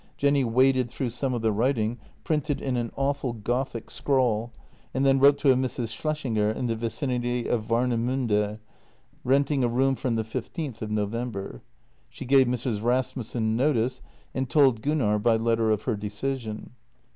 Jenny waded through some of the writing, printed in an awful gothic scrawl, and then wrote to a Mrs. Schlessinger in the vicinity of Warnemunde, renting a room from the fifteenth of November. She gave Mrs. Rasmussen notice, and told Gunnar by letter of her decision.